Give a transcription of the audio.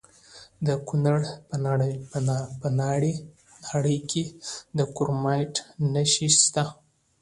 د کونړ په ناړۍ کې د کرومایټ نښې شته.